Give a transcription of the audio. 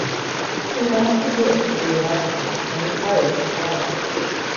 He lost a bid for reelection and retired from politics.